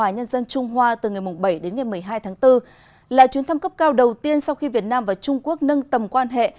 ngày một mươi hai tháng bốn là chuyến thăm cấp cao đầu tiên sau khi việt nam và trung quốc nâng tầm quan hệ